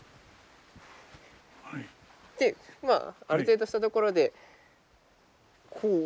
まあある程度したところでこう。